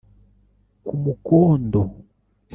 ku mukondo